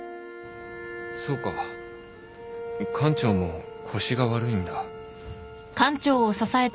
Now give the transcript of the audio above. そうか館長も腰が悪いんだ